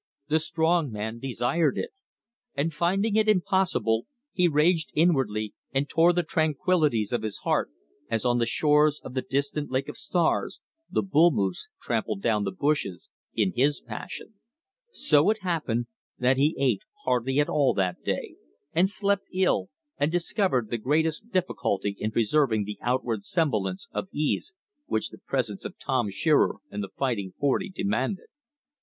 The strong man desired it. And finding it impossible, he raged inwardly and tore the tranquillities of his heart, as on the shores of the distant Lake of Stars, the bull moose trampled down the bushes in his passion. So it happened that he ate hardly at all that day, and slept ill, and discovered the greatest difficulty in preserving the outward semblance of ease which the presence of Tim Shearer and the Fighting Forty demanded.